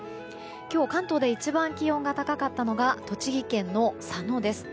今日、関東で一番気温が高かったのが栃木県の佐野です。